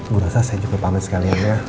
gue rasa saya cukup pamit sekalian ya